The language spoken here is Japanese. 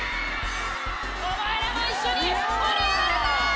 お前らも一緒に盛り上がるぞ！